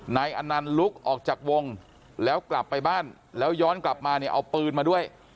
นายอนันต์ลุกออกจากวงแล้วกลับไปบ้านแล้วย้อนกลับมาเนี่ยเอาปืนมาด้วย